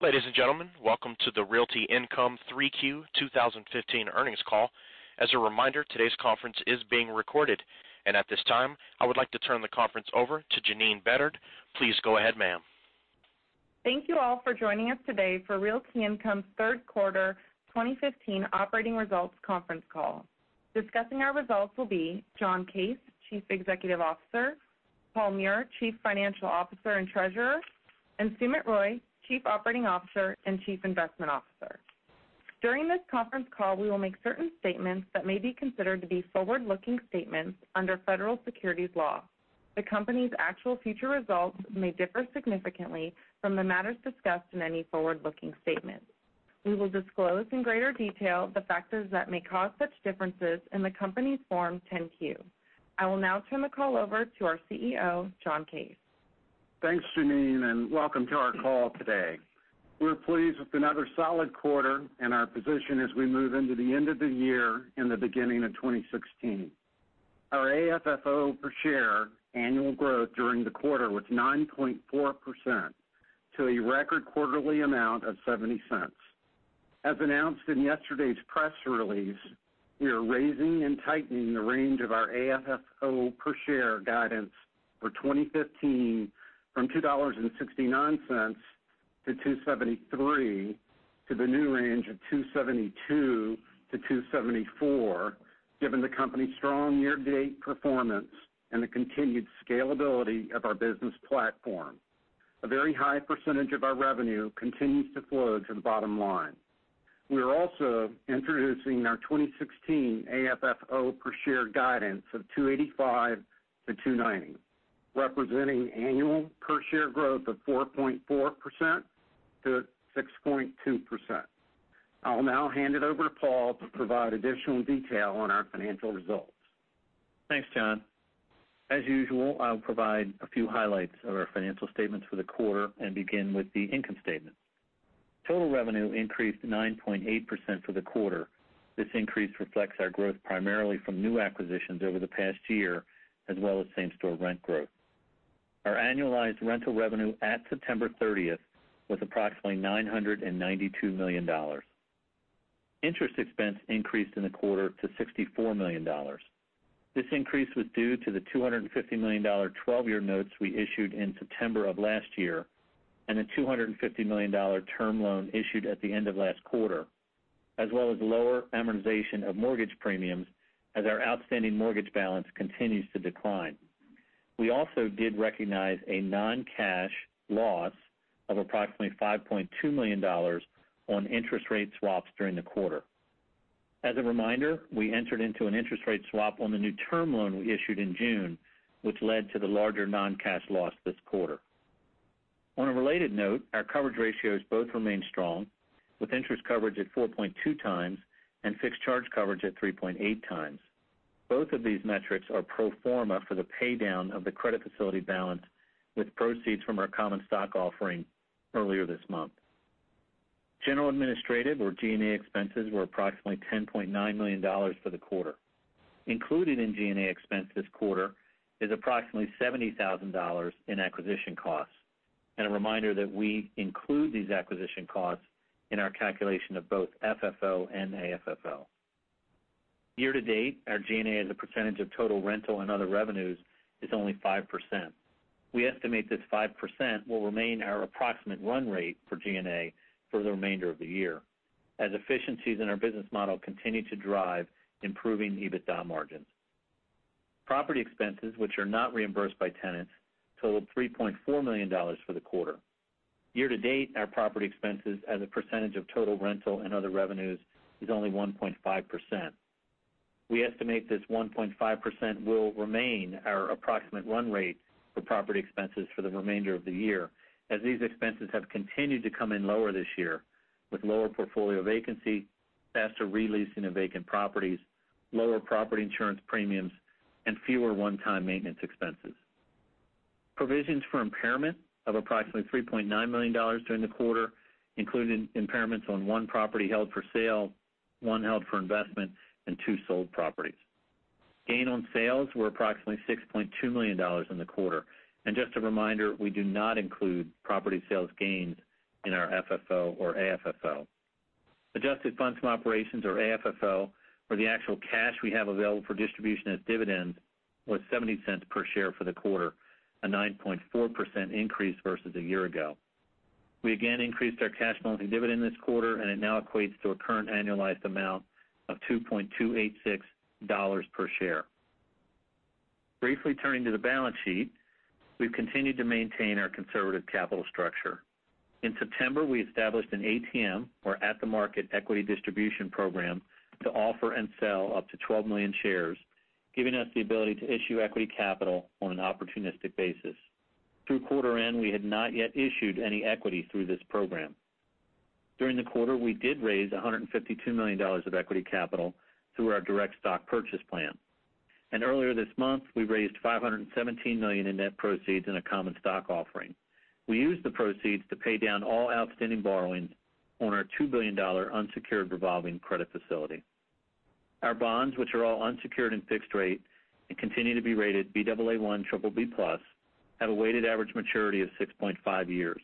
Ladies and gentlemen, welcome to the Realty Income 3Q 2015 earnings call. As a reminder, today's conference is being recorded. At this time, I would like to turn the conference over to Janine Beddard. Please go ahead, ma'am. Thank you all for joining us today for Realty Income's third quarter 2015 operating results conference call. Discussing our results will be John Case, Chief Executive Officer, Paul Meurer, Chief Financial Officer and Treasurer, and Sumit Roy, Chief Operating Officer and Chief Investment Officer. During this conference call, we will make certain statements that may be considered to be forward-looking statements under federal securities law. The company's actual future results may differ significantly from the matters discussed in any forward-looking statements. We will disclose in greater detail the factors that may cause such differences in the company's Form 10-Q. I will now turn the call over to our CEO, John Case. Thanks, Janine, and welcome to our call today. We're pleased with another solid quarter and our position as we move into the end of the year and the beginning of 2016. Our AFFO per share annual growth during the quarter was 9.4% to a record quarterly amount of $0.70. As announced in yesterday's press release, we are raising and tightening the range of our AFFO per share guidance for 2015 from $2.69-$2.73 to the new range of $2.72-$2.74, given the company's strong year-to-date performance and the continued scalability of our business platform. A very high percentage of our revenue continues to flow to the bottom line. We are also introducing our 2016 AFFO per share guidance of $2.85-$2.90, representing annual per share growth of 4.4%-6.2%. I'll now hand it over to Paul to provide additional detail on our financial results. Thanks, John. As usual, I'll provide a few highlights of our financial statements for the quarter and begin with the income statement. Total revenue increased 9.8% for the quarter. This increase reflects our growth primarily from new acquisitions over the past year, as well as same-store rent growth. Our annualized rental revenue at September 30th was approximately $992 million. Interest expense increased in the quarter to $64 million. This increase was due to the $250 million 12-year notes we issued in September of last year, a $250 million term loan issued at the end of last quarter, as well as lower amortization of mortgage premiums as our outstanding mortgage balance continues to decline. We also did recognize a non-cash loss of approximately $5.2 million on interest rate swaps during the quarter. As a reminder, we entered into an interest rate swap on the new term loan we issued in June, which led to the larger non-cash loss this quarter. On a related note, our coverage ratios both remain strong, with interest coverage at 4.2 times and fixed charge coverage at 3.8 times. Both of these metrics are pro forma for the paydown of the credit facility balance with proceeds from our common stock offering earlier this month. General administrative or G&A expenses were approximately $10.9 million for the quarter. Included in G&A expense this quarter is approximately $70,000 in acquisition costs, and a reminder that we include these acquisition costs in our calculation of both FFO and AFFO. Year-to-date, our G&A as a percentage of total rental and other revenues is only 5%. We estimate this 5% will remain our approximate run rate for G&A for the remainder of the year, as efficiencies in our business model continue to drive improving EBITDA margins. Property expenses, which are not reimbursed by tenants, totaled $3.4 million for the quarter. Year-to-date, our property expenses as a percentage of total rental and other revenues is only 1.5%. We estimate this 1.5% will remain our approximate run rate for property expenses for the remainder of the year, as these expenses have continued to come in lower this year with lower portfolio vacancy, faster re-leasing of vacant properties, lower property insurance premiums, and fewer one-time maintenance expenses. Provisions for impairment of approximately $3.9 million during the quarter included impairments on one property held for sale, one held for investment, and two sold properties. Gain on sales were approximately $6.2 million in the quarter. Just a reminder, we do not include property sales gains in our FFO or AFFO. Adjusted funds from operations or AFFO, or the actual cash we have available for distribution as dividends, was $0.70 per share for the quarter, a 9.4% increase versus a year ago. We again increased our cash monthly dividend this quarter, and it now equates to a current annualized amount of $2.286 per share. Briefly turning to the balance sheet, we've continued to maintain our conservative capital structure. In September, we established an ATM or at-the-market equity distribution program to offer and sell up to 12 million shares, giving us the ability to issue equity capital on an opportunistic basis. Through quarter end, we had not yet issued any equity through this program. During the quarter, we did raise $152 million of equity capital through our direct stock purchase plan. Earlier this month, we raised $517 million in net proceeds in a common stock offering. We used the proceeds to pay down all outstanding borrowings on our $2 billion unsecured revolving credit facility. Our bonds, which are all unsecured and fixed rate and continue to be rated Baa1 BBB+, have a weighted average maturity of 6.5 years.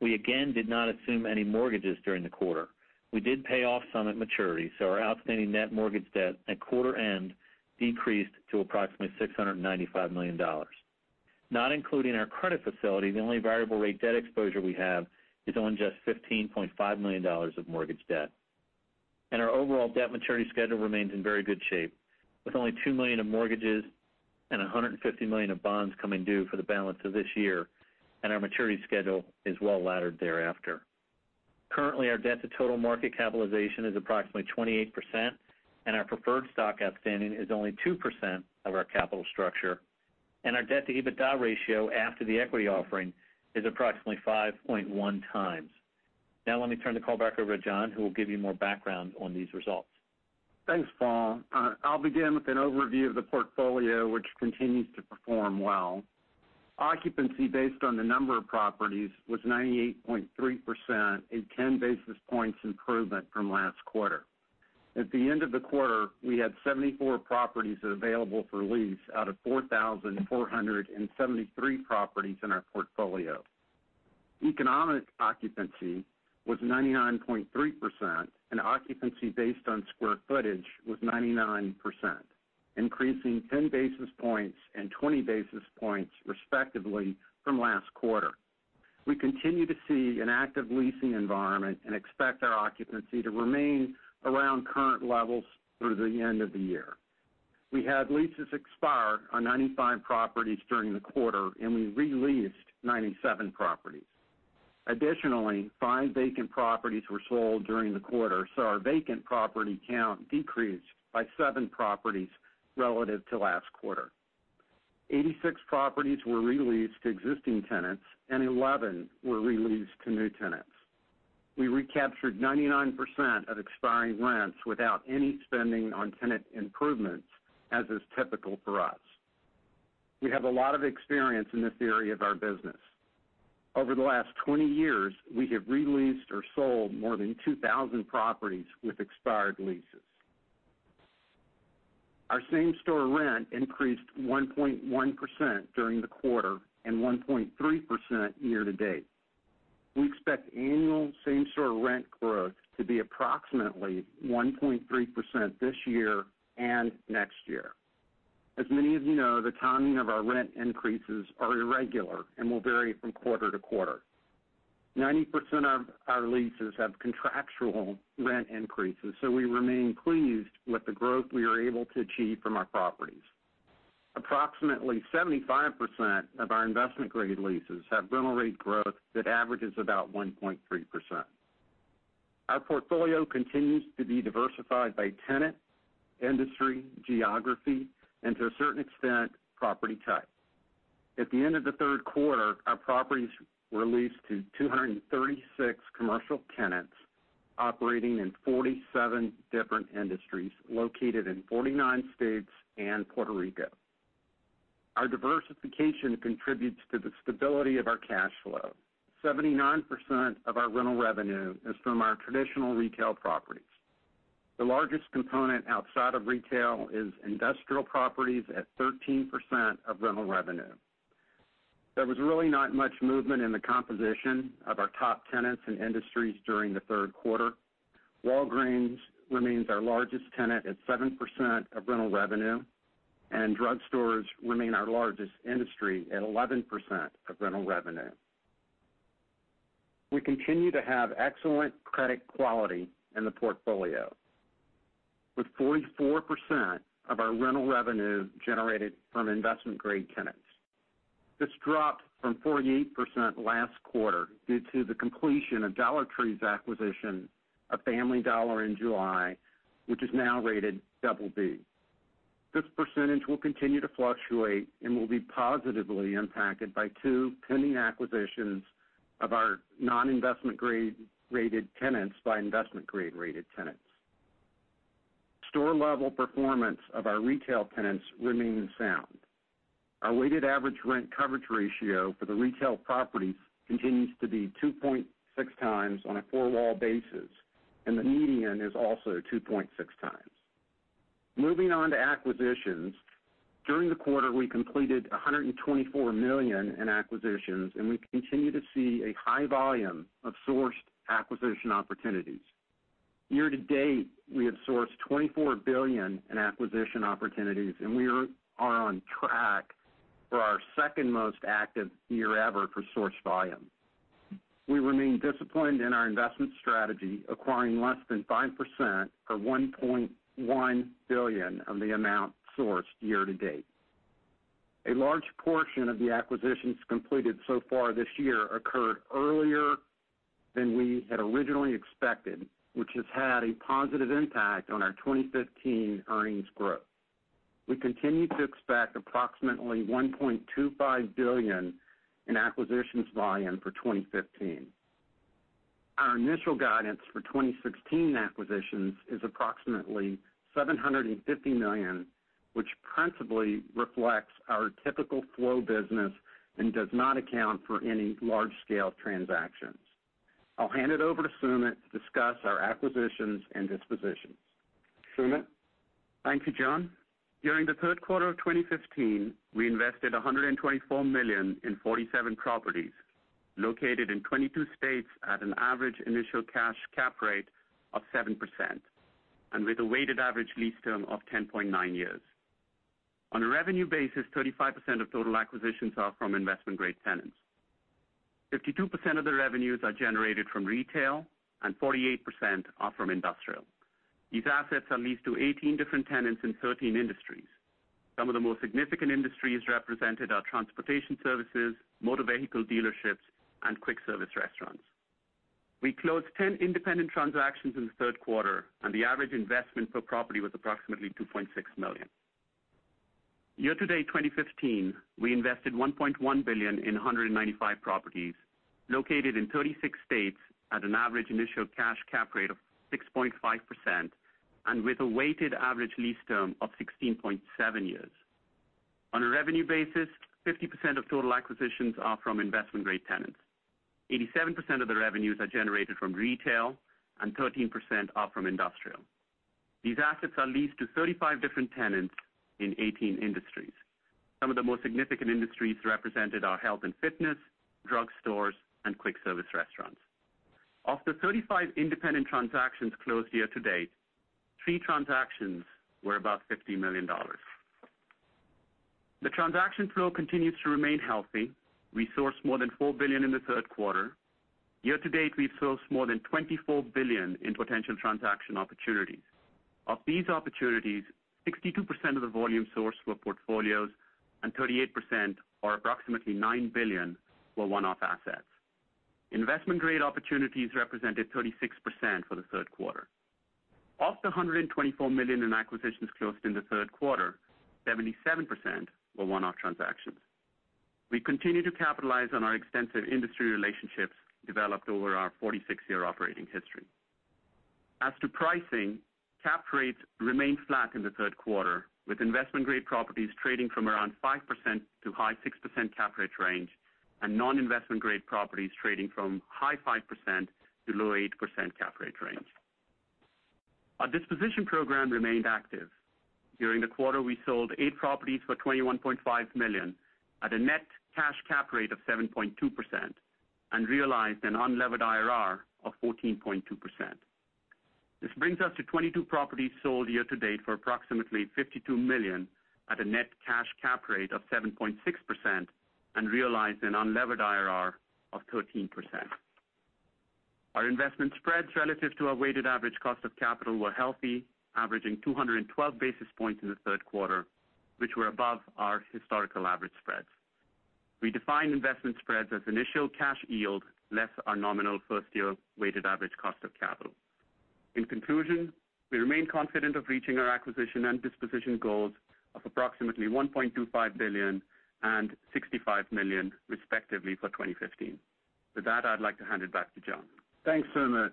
We again did not assume any mortgages during the quarter. We did pay off some at maturity, so our outstanding net mortgage debt at quarter end decreased to approximately $695 million. Not including our credit facility, the only variable rate debt exposure we have is on just $15.5 million of mortgage debt. Our overall debt maturity schedule remains in very good shape, with only $2 million of mortgages and $150 million of bonds coming due for the balance of this year, and our maturity schedule is well-laddered thereafter. Currently, our debt to total market capitalization is approximately 28%, and our preferred stock outstanding is only 2% of our capital structure. Our debt to EBITDA ratio after the equity offering is approximately 5.1 times. Let me turn the call back over to John, who will give you more background on these results. Thanks, Paul. I'll begin with an overview of the portfolio, which continues to perform well. Occupancy based on the number of properties was 98.3%, a 10 basis points improvement from last quarter. At the end of the quarter, we had 74 properties available for lease out of 4,473 properties in our portfolio. Economic occupancy was 99.3%, and occupancy based on square footage was 99%, increasing 10 basis points and 20 basis points respectively from last quarter. We continue to see an active leasing environment and expect our occupancy to remain around current levels through the end of the year. We had leases expire on 95 properties during the quarter, and we re-leased 97 properties. Additionally, five vacant properties were sold during the quarter, so our vacant property count decreased by seven properties relative to last quarter. 86 properties were re-leased to existing tenants and 11 were re-leased to new tenants. We recaptured 99% of expiring rents without any spending on tenant improvements, as is typical for us. We have a lot of experience in this area of our business. Over the last 20 years, we have re-leased or sold more than 2,000 properties with expired leases. Our same store rent increased 1.1% during the quarter and 1.3% year-to-date. We expect annual same store rent growth to be approximately 1.3% this year and next year. As many of you know, the timing of our rent increases are irregular and will vary from quarter to quarter. 90% of our leases have contractual rent increases, so we remain pleased with the growth we are able to achieve from our properties. Approximately 75% of our investment-grade leases have rental rate growth that averages about 1.3%. Our portfolio continues to be diversified by tenant, industry, geography, and to a certain extent, property type. At the end of the third quarter, our properties were leased to 236 commercial tenants operating in 47 different industries located in 49 states and Puerto Rico. Our diversification contributes to the stability of our cash flow. 79% of our rental revenue is from our traditional retail properties. The largest component outside of retail is industrial properties at 13% of rental revenue. There was really not much movement in the composition of our top tenants and industries during the third quarter. Walgreens remains our largest tenant at 7% of rental revenue, and drug stores remain our largest industry at 11% of rental revenue. We continue to have excellent credit quality in the portfolio. With 44% of our rental revenue generated from investment-grade tenants. This dropped from 48% last quarter due to the completion of Dollar Tree's acquisition of Family Dollar in July, which is now rated BB. This percentage will continue to fluctuate and will be positively impacted by two pending acquisitions of our non-investment grade rated tenants by investment grade rated tenants. Store-level performance of our retail tenants remains sound. Our weighted average rent coverage ratio for the retail properties continues to be 2.6 times on a four-wall basis, and the median is also 2.6 times. Moving on to acquisitions. During the quarter, we completed $124 million in acquisitions, and we continue to see a high volume of sourced acquisition opportunities. Year to date, we have sourced $24 billion in acquisition opportunities, and we are on track for our second-most active year ever for sourced volume. We remain disciplined in our investment strategy, acquiring less than 5% or $1.1 billion of the amount sourced year to date. A large portion of the acquisitions completed so far this year occurred earlier than we had originally expected, which has had a positive impact on our 2015 earnings growth. We continue to expect approximately $1.25 billion in acquisitions volume for 2015. Our initial guidance for 2016 acquisitions is approximately $750 million, which principally reflects our typical flow business and does not account for any large-scale transactions. I'll hand it over to Sumit to discuss our acquisitions and dispositions. Sumit? Thank you, John. During the third quarter of 2015, we invested $124 million in 47 properties located in 22 states at an average initial cash cap rate of 7%, and with a weighted average lease term of 10.9 years. On a revenue basis, 35% of total acquisitions are from investment-grade tenants. 52% of the revenues are generated from retail and 48% are from industrial. These assets are leased to 18 different tenants in 13 industries. Some of the most significant industries represented are transportation services, motor vehicle dealerships, and quick service restaurants. We closed 10 independent transactions in the third quarter, and the average investment per property was approximately $2.6 million. Year to date 2015, we invested $1.1 billion in 195 properties located in 36 states at an average initial cash cap rate of 6.5%, and with a weighted average lease term of 16.7 years. On a revenue basis, 50% of total acquisitions are from investment-grade tenants. 87% of the revenues are generated from retail and 13% are from industrial. These assets are leased to 35 different tenants in 18 industries. Some of the most significant industries represented are health and fitness, drug stores, and quick service restaurants. Of the 35 independent transactions closed year to date, three transactions were above $50 million. The transaction flow continues to remain healthy. We sourced more than $4 billion in the third quarter. Year to date, we've sourced more than $24 billion in potential transaction opportunities. Of these opportunities, 62% of the volume sourced were portfolios, and 38%, or approximately $9 billion, were one-off assets. Investment-grade opportunities represented 36% for the third quarter. Of the $124 million in acquisitions closed in the third quarter, 77% were one-off transactions. We continue to capitalize on our extensive industry relationships developed over our 46-year operating history. As to pricing, cap rates remained flat in the third quarter, with investment-grade properties trading from around 5%-high 6% cap rate range, and non-investment grade properties trading from high 5%-low 8% cap rate range. Our disposition program remained active. During the quarter, we sold eight properties for $21.5 million at a net cash cap rate of 7.2% and realized an unlevered IRR of 14.2%. This brings us to 22 properties sold year to date for approximately $52 million at a net cash cap rate of 7.6% and realized an unlevered IRR of 13%. Our investment spreads relative to our weighted average cost of capital were healthy, averaging 212 basis points in the third quarter, which were above our historical average spreads. We define investment spreads as initial cash yield less our nominal first-year weighted average cost of capital. In conclusion, we remain confident of reaching our acquisition and disposition goals of approximately $1.25 billion and $65 million respectively for 2015. With that, I'd like to hand it back to John. Thanks, Sumit.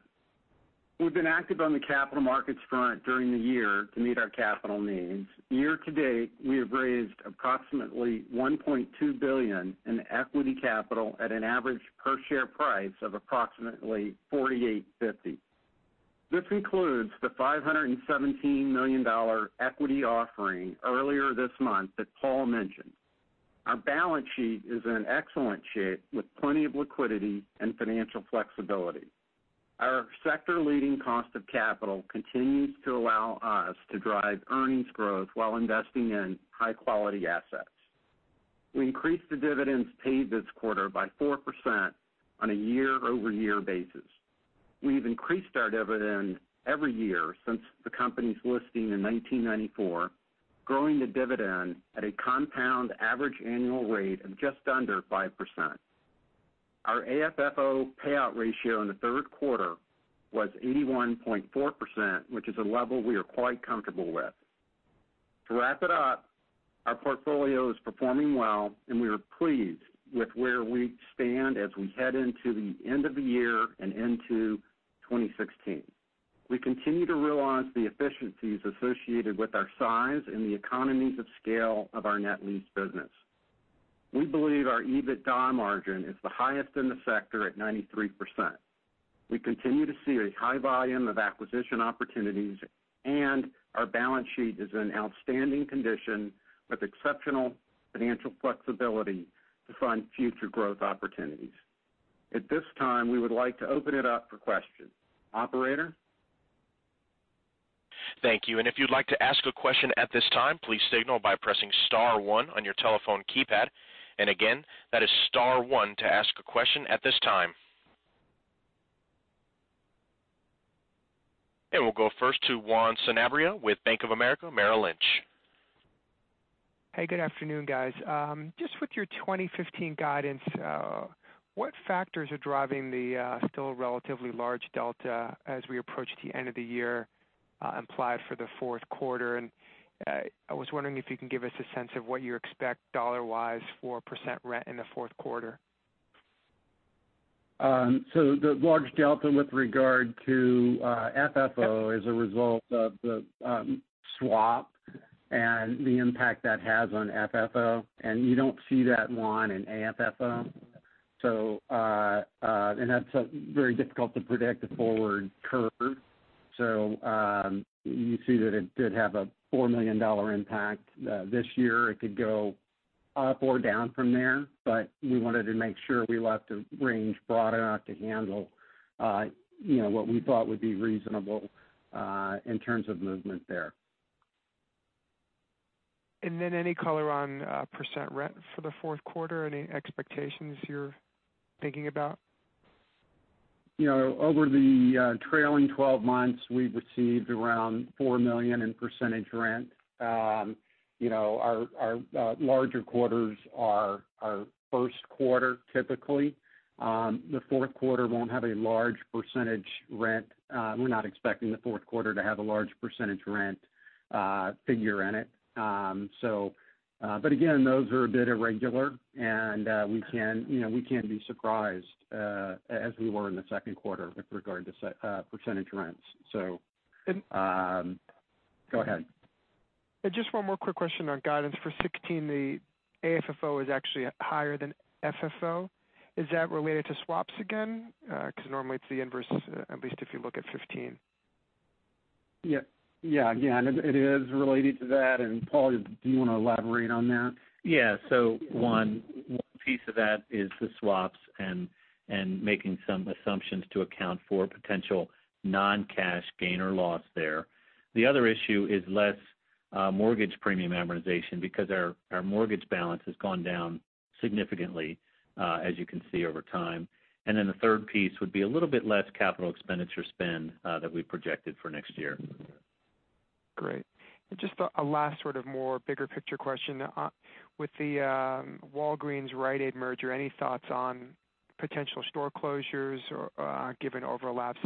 We've been active on the capital markets front during the year to meet our capital needs. Year to date, we have raised approximately $1.2 billion in equity capital at an average per-share price of approximately $48.50. This includes the $517 million equity offering earlier this month that Paul mentioned. Our balance sheet is in excellent shape with plenty of liquidity and financial flexibility. Our sector-leading cost of capital continues to allow us to drive earnings growth while investing in high-quality assets. We increased the dividends paid this quarter by 4% on a year-over-year basis. We've increased our dividend every year since the company's listing in 1994, growing the dividend at a compound average annual rate of just under 5%. Our AFFO payout ratio in the third quarter was 81.4%, which is a level we are quite comfortable with. To wrap it up, our portfolio is performing well and we are pleased with where we stand as we head into the end of the year and into 2016. We continue to realize the efficiencies associated with our size and the economies of scale of our net lease business. We believe our EBITDA margin is the highest in the sector at 93%. We continue to see a high volume of acquisition opportunities, and our balance sheet is in outstanding condition with exceptional financial flexibility to fund future growth opportunities. At this time, we would like to open it up for questions. Operator? Thank you. If you'd like to ask a question at this time, please signal by pressing *1 on your telephone keypad. Again, that is *1 to ask a question at this time. We'll go first to Juan Sanabria with Bank of America Merrill Lynch. Hey, good afternoon, guys. Just with your 2015 guidance, what factors are driving the still relatively large delta as we approach the end of the year implied for the fourth quarter? I was wondering if you can give us a sense of what you expect dollar-wise for percent rent in the fourth quarter. The large delta with regard to FFO is a result of the swap and the impact that has on FFO. You don't see that, Juan, in AFFO. That's very difficult to predict the forward curve. You see that it did have a $4 million impact this year. It could go up or down from there, but we wanted to make sure we left the range broad enough to handle what we thought would be reasonable in terms of movement there. Any color on percent rent for the fourth quarter? Any expectations you're thinking about? Over the trailing 12 months, we've received around $4 million in percentage rent. Our larger quarters are our first quarter, typically. The fourth quarter won't have a large percentage rent. We're not expecting the fourth quarter to have a large percentage rent figure in it. Again, those are a bit irregular, and we can be surprised, as we were in the second quarter with regard to percentage rents. And- Go ahead. Just one more quick question on guidance for 2016. The AFFO is actually higher than FFO. Is that related to swaps again? Normally it's the inverse, at least if you look at 2015. Yeah. Again, it is related to that, Paul, do you want to elaborate on that? One piece of that is the swaps and making some assumptions to account for potential non-cash gain or loss there. The other issue is less mortgage premium amortization because our mortgage balance has gone down significantly, as you can see over time. The third piece would be a little bit less capital expenditure spend that we projected for next year. Great. Just a last sort of more bigger picture question. With the Walgreens-Rite Aid merger, any thoughts on potential store closures given overlaps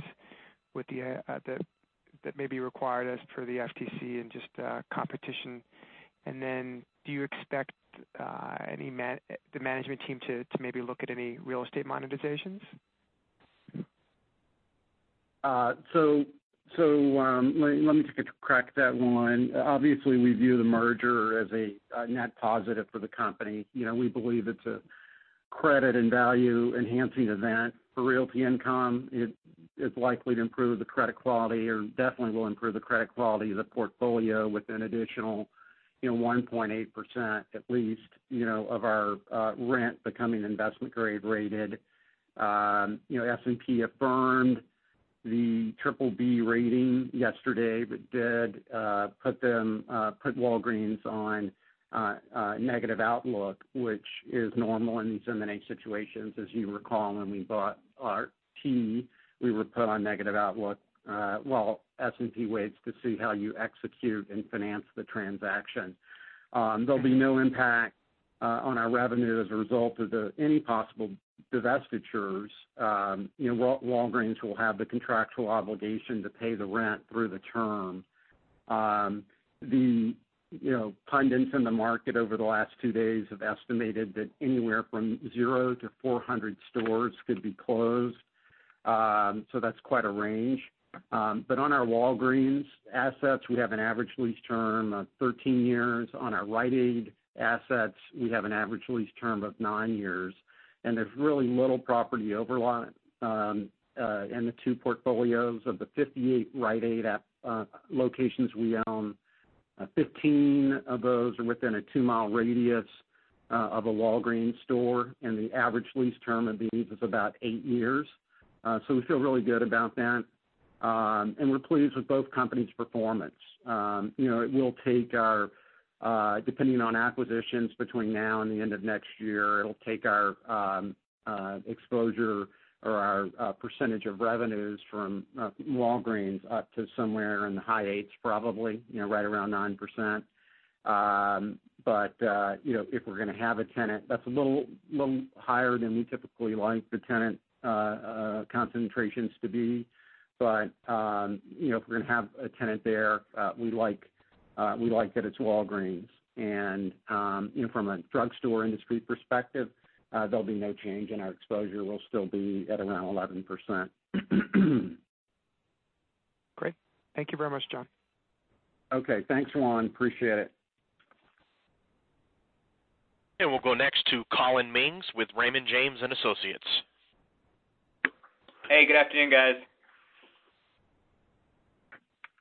that may be required as per the FTC and just competition? Do you expect the management team to maybe look at any real estate monetizations? Let me take a crack at that one. Obviously, we view the merger as a net positive for the company. We believe it's a credit and value-enhancing event for Realty Income. It is likely to improve the credit quality, or definitely will improve the credit quality of the portfolio with an additional 1.8%, at least, of our rent becoming investment-grade rated. S&P affirmed the BBB rating yesterday, but did put Walgreens on negative outlook, which is normal in these M&A situations. As you recall, when we bought ARCT, we were put on negative outlook while S&P waits to see how you execute and finance the transaction. There'll be no impact on our revenue as a result of any possible divestitures. Walgreens will have the contractual obligation to pay the rent through the term. The pundits in the market over the last two days have estimated that anywhere from zero to 400 stores could be closed. That's quite a range. On our Walgreens assets, we have an average lease term of 13 years. On our Rite Aid assets, we have an average lease term of nine years. There's really little property overlap in the two portfolios. Of the 58 Rite Aid locations we own, 15 of those are within a two-mile radius of a Walgreens store, and the average lease term of these is about eight years. We feel really good about that. We're pleased with both companies' performance. Depending on acquisitions between now and the end of next year, it'll take our exposure or our percentage of revenues from Walgreens up to somewhere in the high eights, probably right around 9%. If we're going to have a tenant that's a little higher than we typically like the tenant concentrations to be. If we're going to have a tenant there, we like that it's Walgreens. From a drugstore industry perspective, there'll be no change, and our exposure will still be at around 11%. Great. Thank you very much, John. Okay. Thanks, Juan. Appreciate it. We'll go next to Collin Mings with Raymond James & Associates. Hey, good afternoon, guys.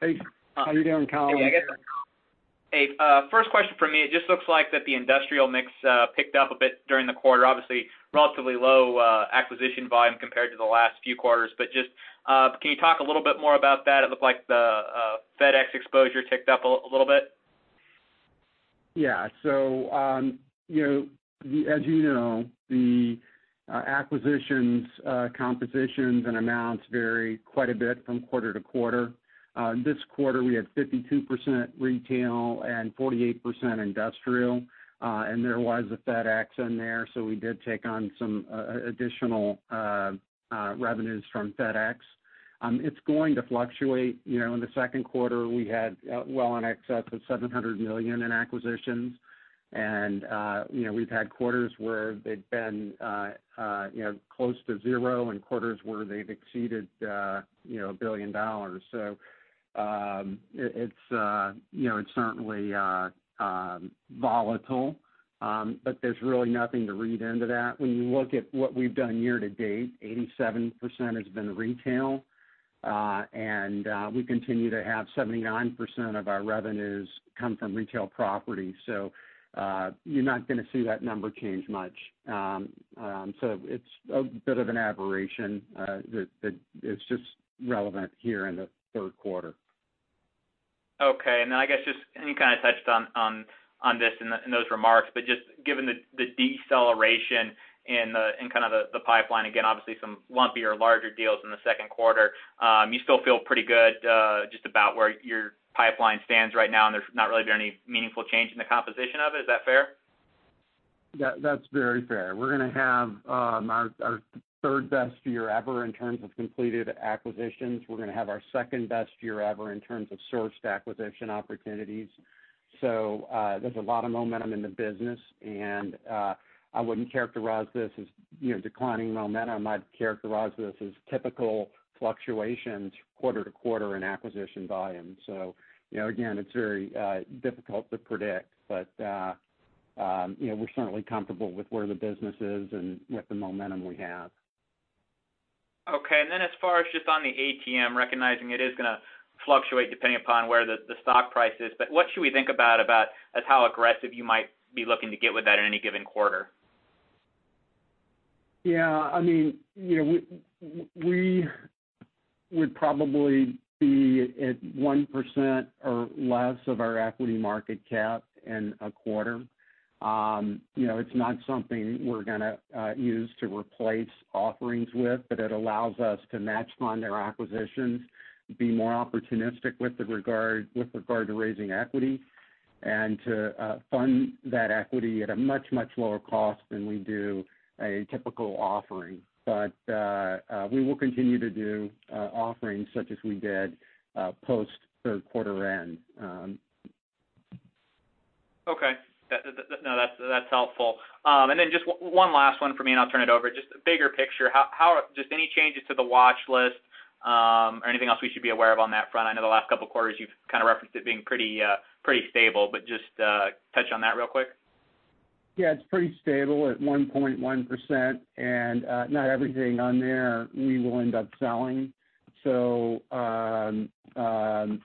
Hey. How you doing, Collin? Hey. First question from me. It just looks like that the industrial mix picked up a bit during the quarter. Obviously, relatively low acquisition volume compared to the last few quarters. Just, can you talk a little bit more about that? It looked like the FedEx exposure ticked up a little bit. Yeah. As you know, the acquisitions, compositions, and amounts vary quite a bit from quarter to quarter. This quarter, we had 52% retail and 48% industrial. There was a FedEx in there, so we did take on some additional revenues from FedEx. It's going to fluctuate. In the second quarter, we had well in excess of $700 million in acquisitions, and we've had quarters where they've been close to zero and quarters where they've exceeded $1 billion. It's certainly volatile, but there's really nothing to read into that. When you look at what we've done year to date, 87% has been retail. We continue to have 79% of our revenues come from retail properties. You're not going to see that number change much. It's a bit of an aberration that is just relevant here in the third quarter. Okay. I guess, you kind of touched on this in those remarks, but just given the deceleration in kind of the pipeline, again, obviously some lumpier larger deals in the second quarter, you still feel pretty good just about where your pipeline stands right now, and there's not really been any meaningful change in the composition of it. Is that fair? That's very fair. We're going to have our third-best year ever in terms of completed acquisitions. We're going to have our second-best year ever in terms of sourced acquisition opportunities. There's a lot of momentum in the business, and I wouldn't characterize this as declining momentum. I'd characterize this as typical fluctuations quarter to quarter in acquisition volume. Again, it's very difficult to predict, but we're certainly comfortable with where the business is and with the momentum we have. Okay. As far as just on the ATM, recognizing it is going to fluctuate depending upon where the stock price is, but what should we think about as how aggressive you might be looking to get with that in any given quarter? Yeah. We would probably be at 1% or less of our equity market cap in a quarter. It's not something we're going to use to replace offerings with, but it allows us to match-fund our acquisitions, be more opportunistic with regard to raising equity, and to fund that equity at a much, much lower cost than we do a typical offering. We will continue to do offerings such as we did post-third-quarter end. Okay. No, that's helpful. Just one last one for me, and I'll turn it over. Just bigger picture, just any changes to the watch list, or anything else we should be aware of on that front? I know the last couple of quarters you've kind of referenced it being pretty stable. Just touch on that real quick. Yeah, it's pretty stable at 1.1%. Not everything on there we will end up selling.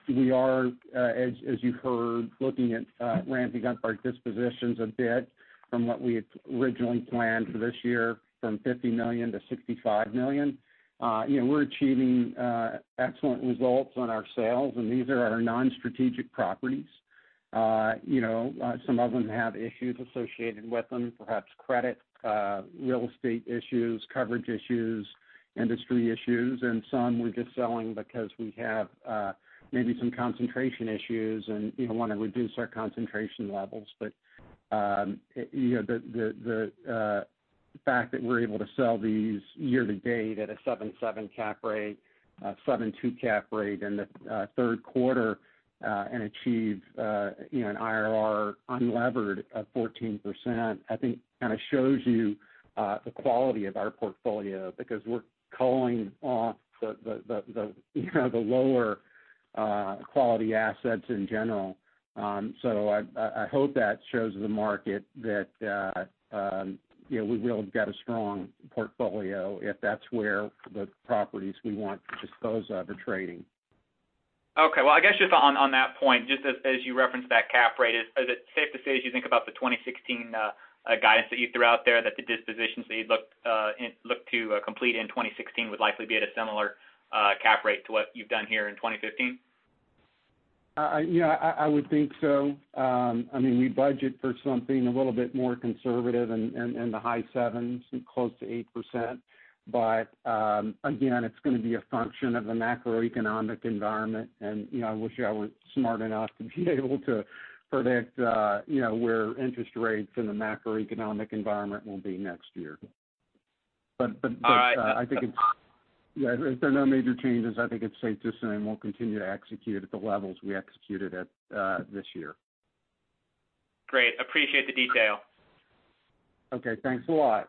We are, as you've heard, looking at ramping up our dispositions a bit from what we had originally planned for this year, from $50 million to $65 million. We're achieving excellent results on our sales. These are our non-strategic properties. Some of them have issues associated with them, perhaps credit, real estate issues, coverage issues, industry issues. Some we're just selling because we have maybe some concentration issues, and want to reduce our concentration levels. The fact that we're able to sell these year-to-date at a 7.7 cap rate, 7.2 cap rate in the third quarter, and achieve an IRR unlevered of 14%, I think kind of shows you the quality of our portfolio, because we're culling off the lower-quality assets in general. I hope that shows the market that we've really got a strong portfolio if that's where the properties we want to dispose of are trading. Okay. Well, I guess just on that point, just as you referenced that cap rate, is it safe to say, as you think about the 2016 guidance that you threw out there, that the dispositions that you'd look to complete in 2016 would likely be at a similar cap rate to what you've done here in 2015? Yeah, I would think so. We budget for something a little bit more conservative in the high sevens, close to 8%. Again, it's going to be a function of the macroeconomic environment, and I wish I was smart enough to be able to predict where interest rates in the macroeconomic environment will be next year. All right. If there are no major changes, I think it's safe to say we'll continue to execute at the levels we executed at this year. Great. Appreciate the detail. Okay. Thanks a lot.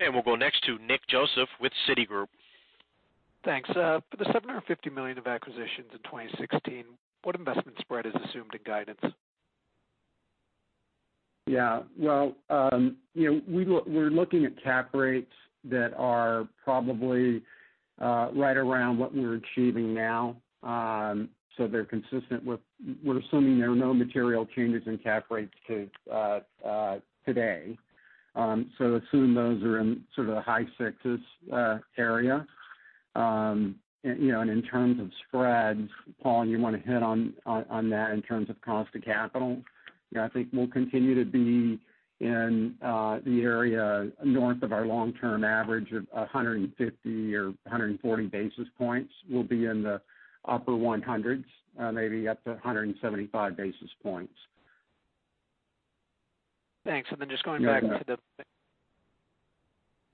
We'll go next to Nick Joseph with Citigroup. Thanks. For the $750 million of acquisitions in 2016, what investment spread is assumed in guidance? Yeah. Well, we're looking at cap rates that are probably right around what we're achieving now. We're assuming there are no material changes in cap rates to today. Assume those are in sort of the high sixes area. In terms of spreads, Paul, you want to hit on that in terms of cost of capital? I think we'll continue to be in the area north of our long-term average of 150 or 140 basis points. We'll be in the upper 100s, maybe up to 175 basis points. Thanks. Just going back to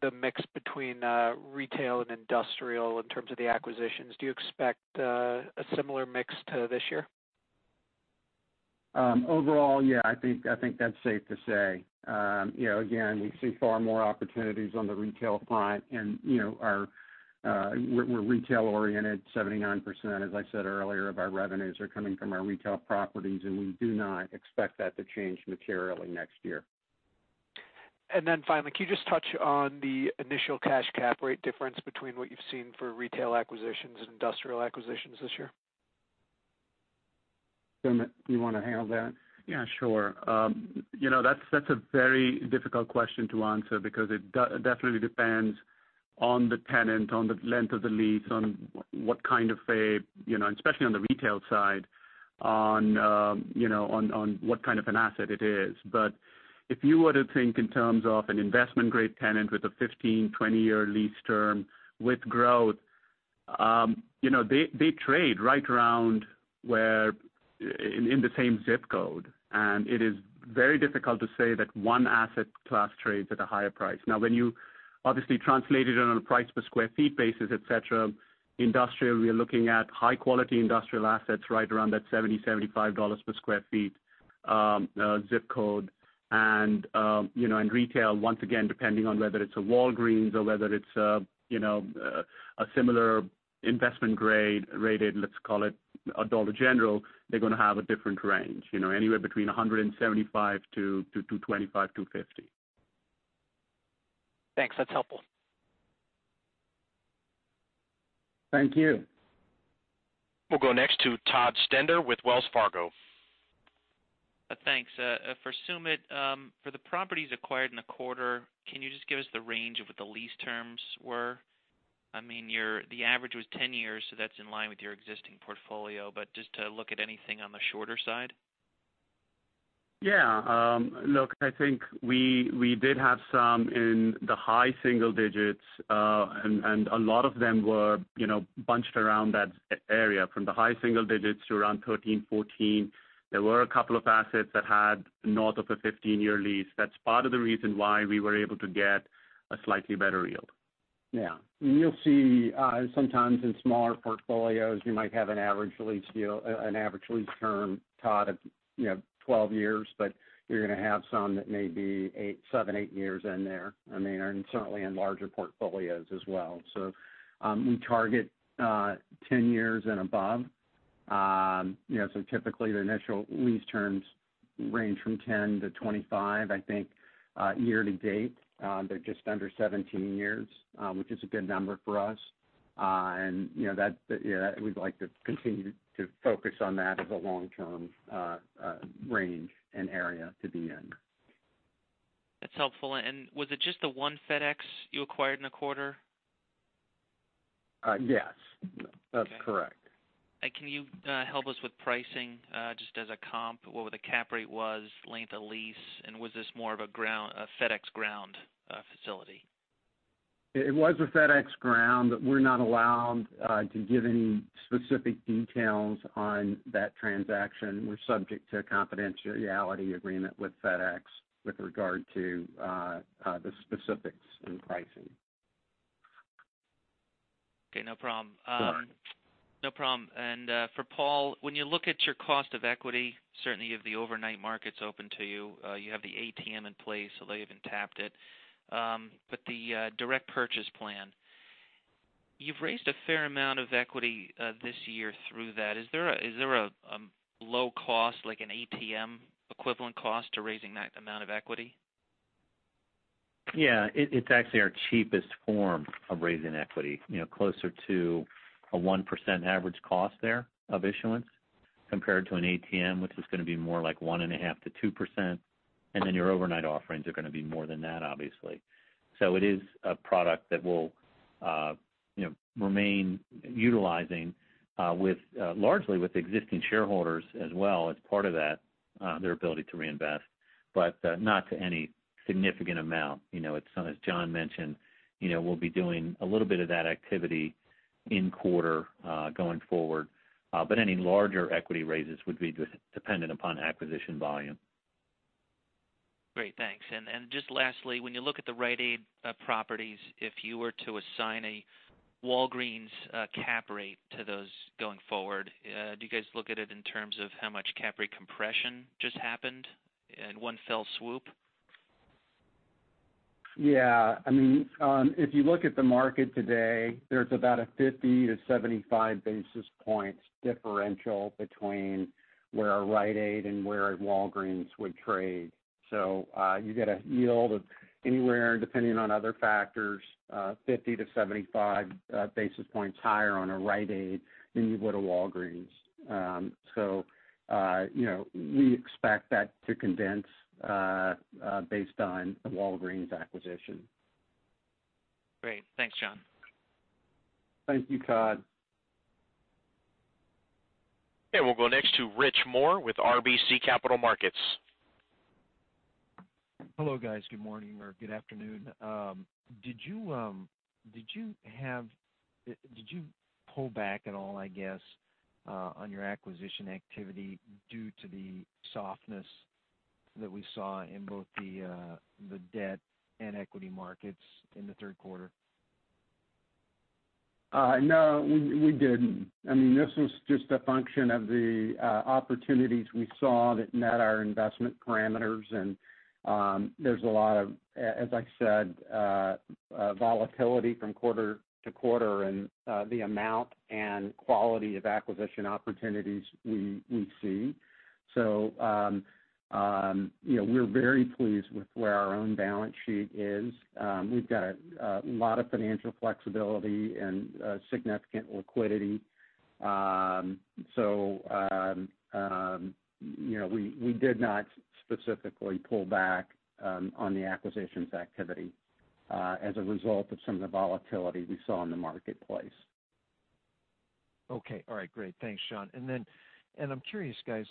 the mix between retail and industrial in terms of the acquisitions, do you expect a similar mix to this year? Overall, yeah, I think that's safe to say. We see far more opportunities on the retail front. We're retail-oriented, 79%, as I said earlier, of our revenues are coming from our retail properties. We do not expect that to change materially next year. Finally, can you just touch on the initial cash cap rate difference between what you've seen for retail acquisitions and industrial acquisitions this year? Sumit, do you want to handle that? Yeah, sure. That's a very difficult question to answer because it definitely depends on the tenant, on the length of the lease, on what kind of an asset it is. If you were to think in terms of an investment-grade tenant with a 15-20-year lease term with growth, they trade right around where, in the same zip code. It is very difficult to say that one asset class trades at a higher price. When you obviously translate it on a price per square feet basis, et cetera, industrial, we are looking at high-quality industrial assets right around that $70-$75 per square feet zip code. Retail, once again, depending on whether it's a Walgreens or whether it's a similar investment grade rated, let's call it a Dollar General, they're going to have a different range. Anywhere between $175 to $225-$250. Thanks. That's helpful. Thank you. We'll go next to Todd Stender with Wells Fargo. Thanks. For Sumit, for the properties acquired in the quarter, can you just give us the range of what the lease terms were? I mean, the average was 10 years, that's in line with your existing portfolio, but just to look at anything on the shorter side. Yeah. Look, I think we did have some in the high single digits. A lot of them were bunched around that area, from the high single digits to around 13, 14. There were a couple of assets that had north of a 15-year lease. That's part of the reason why we were able to get a slightly better yield. Yeah. You'll see sometimes in smaller portfolios, you might have an average lease term, Todd, of 12 years, but you're going to have some that may be seven, eight years in there. I mean, certainly in larger portfolios as well. We target 10 years and above. Typically, the initial lease terms range from 10 to 25. I think year-to-date, they're just under 17 years, which is a good number for us. We'd like to continue to focus on that as a long-term range and area to be in. That's helpful. Was it just the one FedEx you acquired in the quarter? Yes. Okay. That's correct. Can you help us with pricing, just as a comp, what the cap rate was, length of lease, and was this more of a FedEx ground facility? It was a FedEx ground, we're not allowed to give any specific details on that transaction. We're subject to a confidentiality agreement with FedEx with regard to the specifics in pricing. Okay, no problem. Sure. No problem. For Paul, when you look at your cost of equity, certainly you have the overnight markets open to you. You have the ATM in place, although you haven't tapped it. The direct purchase plan, you've raised a fair amount of equity this year through that. Is there a low cost, like an ATM equivalent cost to raising that amount of equity? Yeah. It's actually our cheapest form of raising equity. Closer to a 1% average cost there of issuance compared to an ATM, which is going to be more like 1.5%-2%. Your overnight offerings are going to be more than that, obviously. It is a product that we'll remain utilizing largely with existing shareholders as well as part of that, their ability to reinvest, but not to any significant amount. As John mentioned, we'll be doing a little bit of that activity in quarter, going forward. Any larger equity raises would be dependent upon acquisition volume. Great, thanks. Just lastly, when you look at the Rite Aid properties, if you were to assign a Walgreens cap rate to those going forward, do you guys look at it in terms of how much cap rate compression just happened in one fell swoop? Yeah. I mean, if you look at the market today, there's about a 50 to 75 basis points differential between where a Rite Aid and where a Walgreens would trade. You get a yield of anywhere, depending on other factors, 50 to 75 basis points higher on a Rite Aid than you would a Walgreens. We expect that to condense based on the Walgreens acquisition. Great. Thanks, John. Thank you, Todd. Okay, we'll go next to Rich Moore with RBC Capital Markets. Hello, guys. Good morning or good afternoon. Did you pull back at all, I guess, on your acquisition activity due to the softness that we saw in both the debt and equity markets in the third quarter? No, we didn't. This was just a function of the opportunities we saw that met our investment parameters. There's a lot of, as I said, volatility from quarter to quarter in the amount and quality of acquisition opportunities we see. We're very pleased with where our own balance sheet is. We've got a lot of financial flexibility and significant liquidity. We did not specifically pull back on the acquisitions activity as a result of some of the volatility we saw in the marketplace. Okay. All right, great. Thanks, Sean. I'm curious, guys,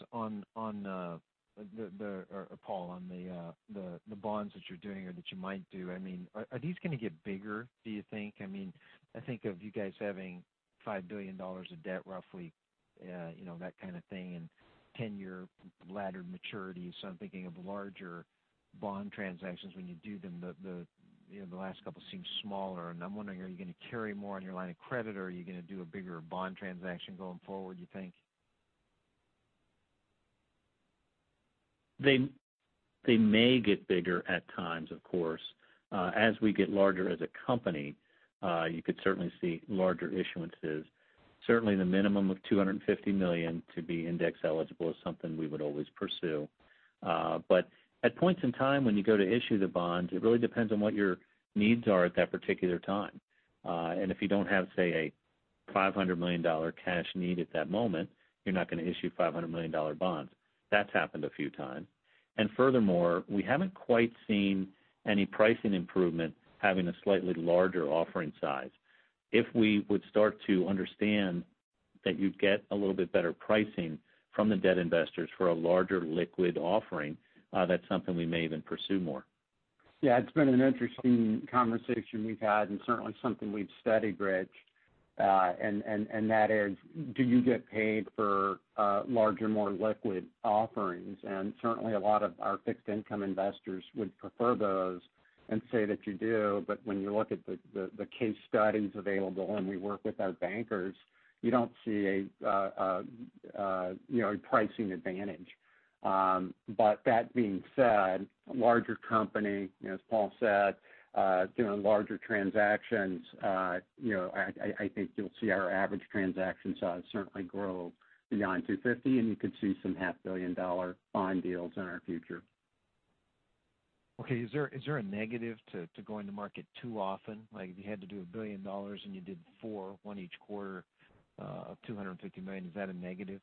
or Paul, on the bonds that you're doing or that you might do, are these going to get bigger, do you think? I think of you guys having $5 billion of debt, roughly, that kind of thing, and 10-year laddered maturities. I'm thinking of larger bond transactions when you do them. The last couple seem smaller, and I'm wondering, are you going to carry more on your line of credit, or are you going to do a bigger bond transaction going forward, you think? They may get bigger at times, of course. As we get larger as a company, you could certainly see larger issuances. Certainly, the minimum of $250 million to be index eligible is something we would always pursue. At points in time when you go to issue the bonds, it really depends on what your needs are at that particular time. If you don't have, say, a $500 million cash need at that moment, you're not going to issue $500 million bonds. That's happened a few times. Furthermore, we haven't quite seen any pricing improvement having a slightly larger offering size. If we would start to understand that you get a little bit better pricing from the debt investors for a larger liquid offering, that's something we may even pursue more. Yeah, it's been an interesting conversation we've had and certainly something we've studied, Rich, and that is, do you get paid for larger, more liquid offerings? Certainly, a lot of our fixed income investors would prefer those and say that you do. When you look at the case studies available, and we work with our bankers, you don't see a pricing advantage. That being said, larger company, as Paul said, doing larger transactions, I think you'll see our average transaction size certainly grow beyond $250 million, and you could see some half-billion-dollar bond deals in our future. Okay. Is there a negative to going to market too often? Like if you had to do $1 billion and you did four, one each quarter of $250 million, is that a negative?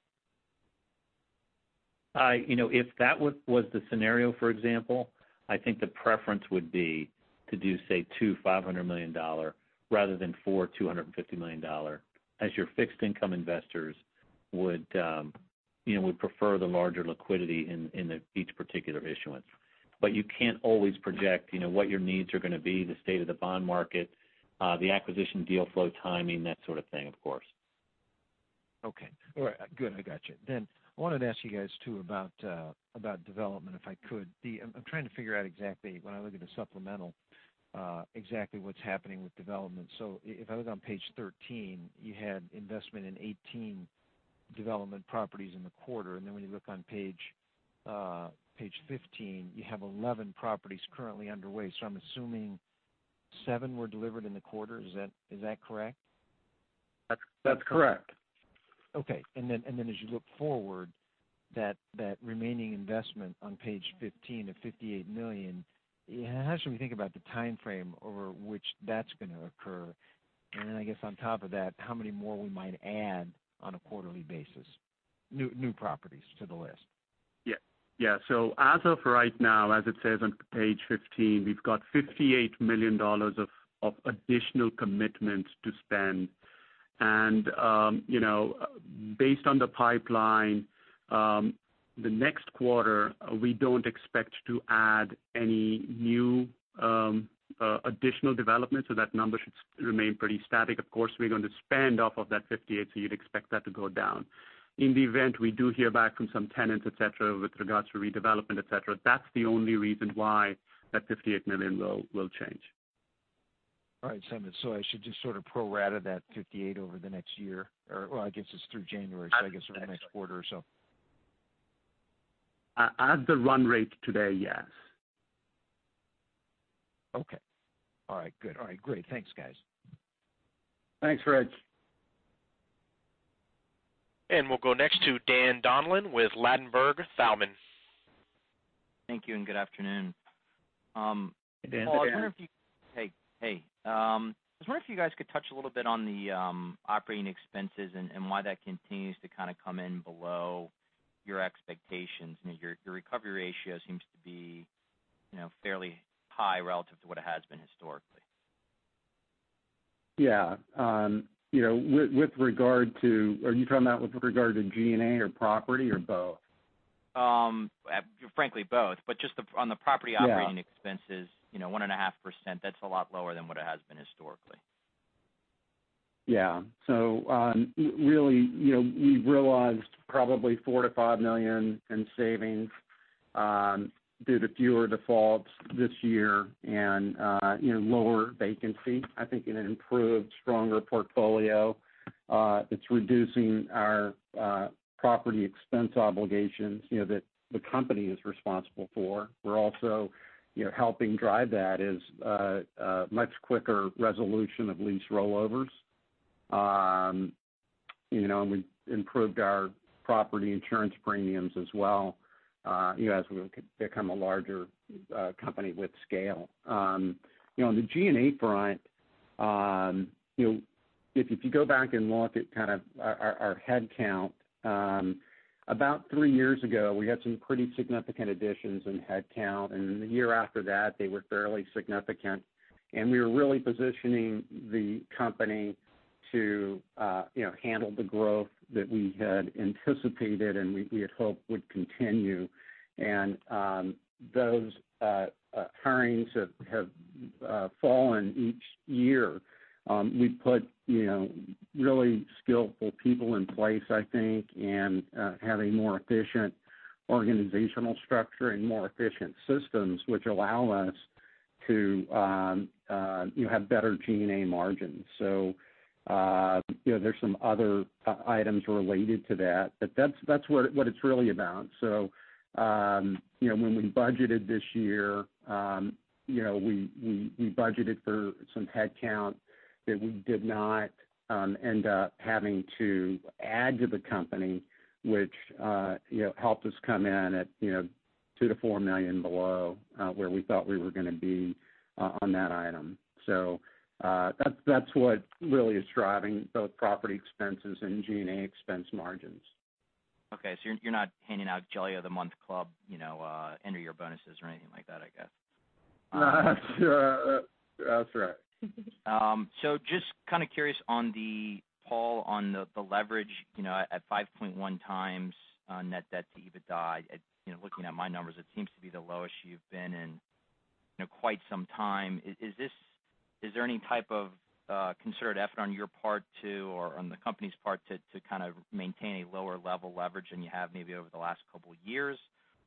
If that was the scenario, for example, I think the preference would be to do, say, two $500 million rather than four $250 million, as your fixed income investors would prefer the larger liquidity in each particular issuance. You can't always project what your needs are going to be, the state of the bond market, the acquisition deal flow timing, that sort of thing, of course. Okay. All right, good. I got you. I wanted to ask you guys, too, about development, if I could. I'm trying to figure out exactly, when I look at the supplemental, exactly what's happening with development. If I look on page 13, you had investment in 18 development properties in the quarter, and then when you look on page 15, you have 11 properties currently underway. I'm assuming seven were delivered in the quarter. Is that correct? That's correct. Okay. Then as you look forward, that remaining investment on page 15 of $58 million, how should we think about the timeframe over which that's going to occur? Then I guess on top of that, how many more we might add on a quarterly basis, new properties to the list? Yeah. As of right now, as it says on page 15, we've got $58 million of additional commitments to spend. Based on the pipeline, the next quarter, we don't expect to add any new additional development, so that number should remain pretty static. Of course, we're going to spend off of that $58, so you'd expect that to go down. In the event we do hear back from some tenants, et cetera, with regards to redevelopment, et cetera, that's the only reason why that $58 million will change. All right, I should just sort of pro rata that $58 over the next year. Well, I guess it's through January, I guess over the next quarter or so. At the run rate today, yes. Okay. All right, good. All right, great. Thanks, guys. Thanks, Rich. We'll go next to Daniel Donlon with Ladenburg Thalmann. Thank you and good afternoon. Hey, Dan. Hey. I was wondering if you guys could touch a little bit on the operating expenses and why that continues to kind of come in below your expectations. Your recovery ratio seems to be fairly high relative to what it has been historically. Yeah. Are you talking about with regard to G&A or property, or both? Frankly, both, just on the property operating- Yeah expenses, 1.5%, that's a lot lower than what it has been historically. Yeah. Really, we've realized probably $4 million-$5 million in savings due to fewer defaults this year and lower vacancy, I think in an improved, stronger portfolio, it's reducing our property expense obligations that the company is responsible for. What's also helping drive that is a much quicker resolution of lease rollovers. We improved our property insurance premiums as well as we become a larger company with scale. On the G&A front, if you go back and look at our headcount, about three years ago, we had some pretty significant additions in headcount, and in the year after that, they were fairly significant. We were really positioning the company to handle the growth that we had anticipated and we had hoped would continue. Those hirings have fallen each year. We put really skillful people in place, I think, and have a more efficient organizational structure and more efficient systems which allow us to have better G&A margins. There's some other items related to that, but that's what it's really about. When we budgeted this year, we budgeted for some headcount that we did not end up having to add to the company, which helped us come in at $2 million-$4 million below where we thought we were going to be on that item. That's what really is driving both property expenses and G&A expense margins. Okay. You're not handing out Jelly of the Month Club end-of-year bonuses or anything like that, I guess. That's right. Just kind of curious, Paul, on the leverage at 5.1 times net debt to EBITDA. Looking at my numbers, it seems to be the lowest you've been in quite some time. Is there any type of concerted effort on your part, or on the company's part to kind of maintain a lower level leverage than you have maybe over the last couple of years?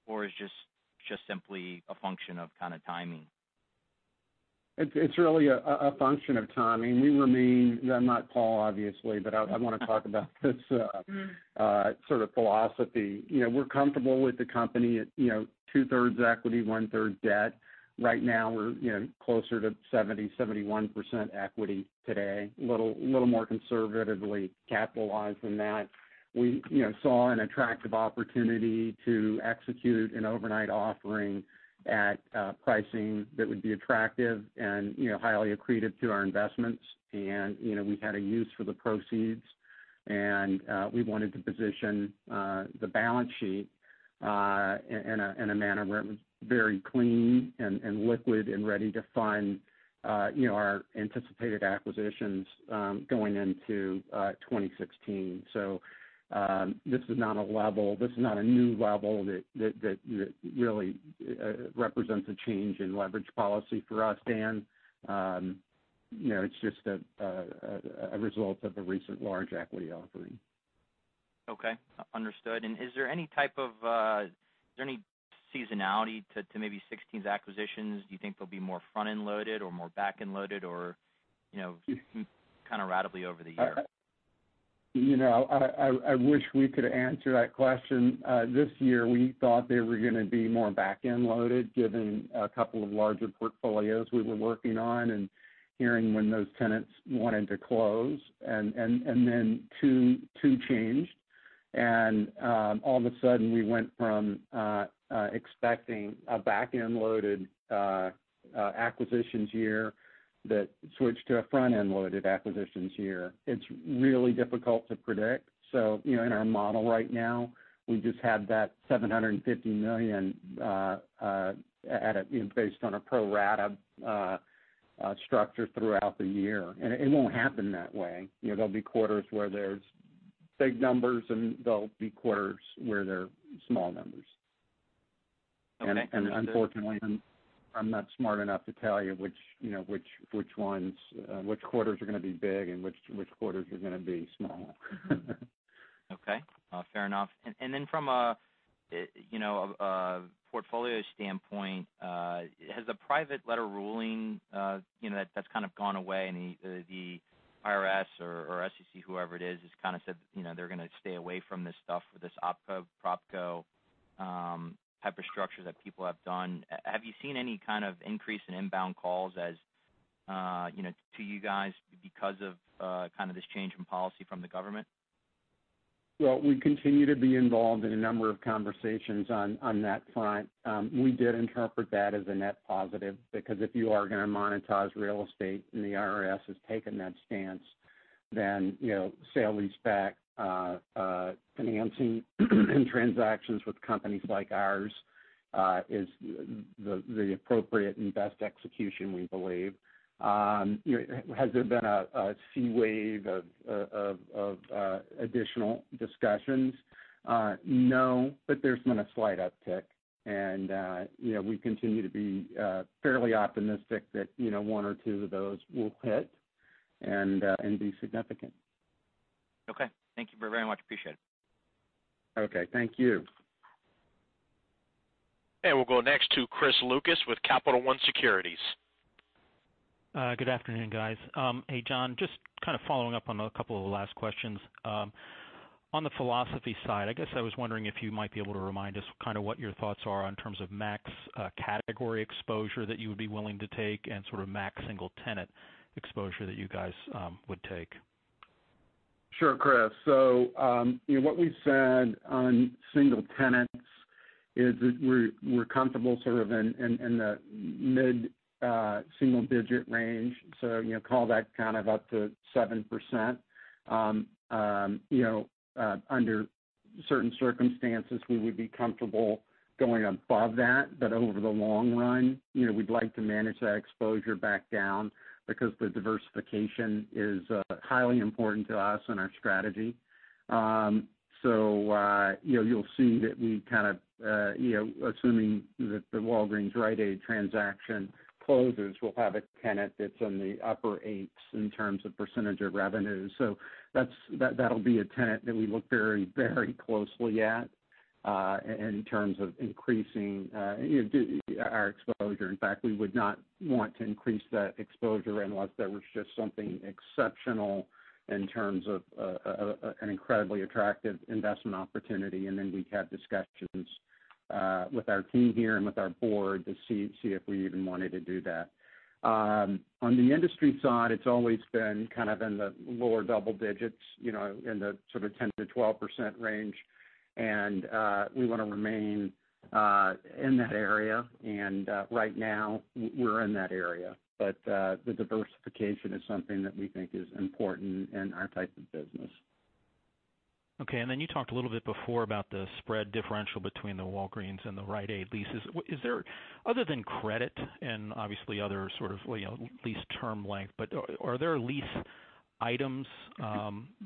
Or is it just simply a function of kind of timing? It's really a function of timing. I'm not Paul, obviously, but I want to talk about this sort of philosophy. We're comfortable with the company at two-thirds equity, one-third debt. Right now, we're closer to 70%, 71% equity today. A little more conservatively capitalized than that. We saw an attractive opportunity to execute an overnight offering at pricing that would be attractive and highly accretive to our investments. We had a use for the proceeds, and we wanted to position the balance sheet in a manner where it was very clean and liquid and ready to fund our anticipated acquisitions going into 2016. This is not a new level that really represents a change in leverage policy for us, Dan. It's just a result of the recent large equity offering. Okay. Understood. Is there any seasonality to maybe 2016's acquisitions? Do you think they'll be more front-end loaded or more back-end loaded, or kind of ratably over the year? I wish we could answer that question. This year, we thought they were going to be more back-end loaded given a couple of larger portfolios we were working on and hearing when those tenants wanted to close. Then 2 changed, and all of a sudden we went from expecting a back-end loaded acquisitions year that switched to a front-end loaded acquisitions year. It's really difficult to predict. In our model right now, we just have that $750 million based on a pro rata structure throughout the year. It won't happen that way. There'll be quarters where there's big numbers, and there'll be quarters where there are small numbers. Okay. Understood. Unfortunately, I'm not smart enough to tell you which quarters are going to be big and which quarters are going to be small. Okay. Fair enough. From a portfolio standpoint, has the private letter ruling that's kind of gone away, and the IRS or SEC, whoever it is, has kind of said they're going to stay away from this stuff with this opco, propco type of structure that people have done. Have you seen any kind of increase in inbound calls to you guys because of kind of this change in policy from the government? Well, we continue to be involved in a number of conversations on that front. We did interpret that as a net positive because if you are going to monetize real estate and the IRS has taken that stance, then sale-leaseback financing and transactions with companies like ours is the appropriate and best execution, we believe. Has there been a sea wave of additional discussions? No, but there's been a slight uptick, and we continue to be fairly optimistic that one or two of those will hit and be significant. Okay. Thank you very much. Appreciate it. Okay, thank you. We'll go next to Chris Lucas with Capital One Securities. Good afternoon, guys. Hey, John, just kind of following up on a couple of the last questions. On the philosophy side, I guess I was wondering if you might be able to remind us kind of what your thoughts are in terms of max category exposure that you would be willing to take and sort of max single tenant exposure that you guys would take. Sure, Chris. What we've said on single tenants is that we're comfortable sort of in the mid-single-digit range. Call that kind of up to 7%. Under certain circumstances, we would be comfortable going above that. Over the long run, we'd like to manage that exposure back down because the diversification is highly important to us and our strategy. You'll see that we kind of, assuming that the Walgreens-Rite Aid transaction closes, we'll have a tenant that's in the upper eights in terms of percentage of revenue. That'll be a tenant that we look very closely at in terms of increasing our exposure. In fact, we would not want to increase that exposure unless there was just something exceptional in terms of an incredibly attractive investment opportunity. We'd have discussions with our team here and with our board to see if we even wanted to do that. On the industry side, it's always been kind of in the lower double digits, in the sort of 10%-12% range. We want to remain in that area. Right now, we're in that area. The diversification is something that we think is important in our type of business. Okay, you talked a little bit before about the spread differential between the Walgreens and the Rite Aid leases. Other than credit and obviously other sort of lease term length, are there lease items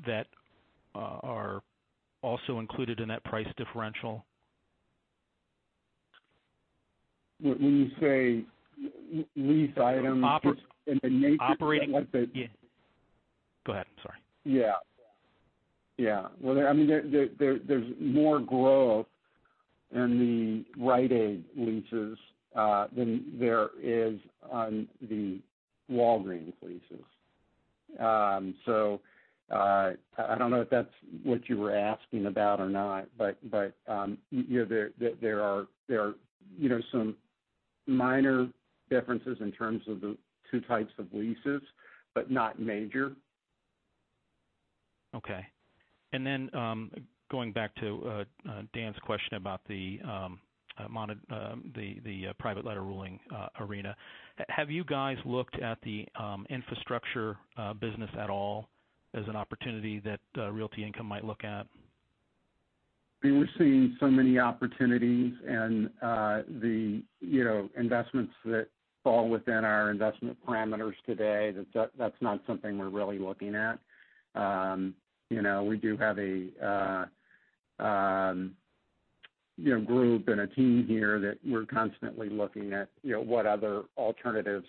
that are also included in that price differential? When you say lease items? Operating- In the nature. Go ahead, I'm sorry. Well, there's more growth in the Rite Aid leases than there is on the Walgreens leases. I don't know if that's what you were asking about or not, but there are some minor differences in terms of the two types of leases, but not major. Okay. Going back to Dan's question about the private letter ruling arena. Have you guys looked at the infrastructure business at all as an opportunity that Realty Income might look at? We're seeing so many opportunities and the investments that fall within our investment parameters today, that's not something we're really looking at. We do have a group and a team here that we're constantly looking at what other alternatives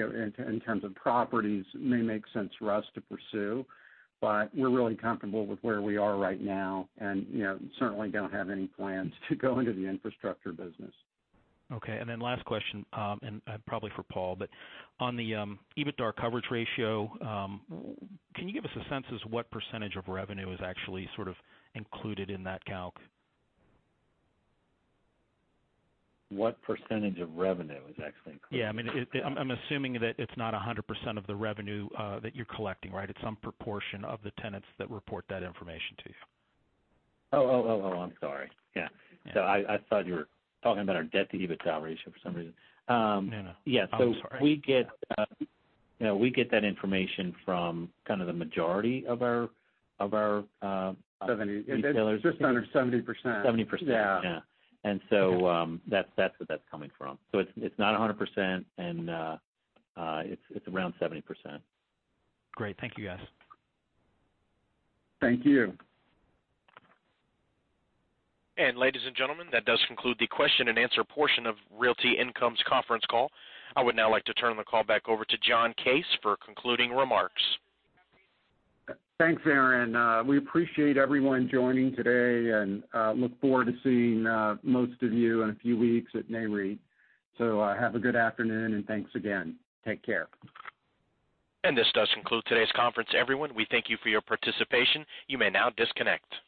in terms of properties may make sense for us to pursue. We're really comfortable with where we are right now and certainly don't have any plans to go into the infrastructure business. Okay, last question, probably for Paul, on the EBITDA coverage ratio, can you give us a sense as to what % of revenue is actually sort of included in that calc? What percentage of revenue is actually included? Yeah, I'm assuming that it's not 100% of the revenue that you're collecting, right? It's some proportion of the tenants that report that information to you. Oh. I'm sorry. Yeah. I thought you were talking about our debt-to-EBITDA ratio for some reason. No. I'm sorry. Yeah. We get that information from kind of the majority of our. 70. Retailers. Just under 70%. 70%. Yeah. Yeah. That's what that's coming from. It's not 100%, and it's around 70%. Great. Thank you, guys. Thank you. Ladies and gentlemen, that does conclude the question and answer portion of Realty Income's conference call. I would now like to turn the call back over to John Case for concluding remarks. Thanks, Aaron. We appreciate everyone joining today and look forward to seeing most of you in a few weeks at Nareit. Have a good afternoon, and thanks again. Take care. This does conclude today's conference, everyone. We thank you for your participation. You may now disconnect.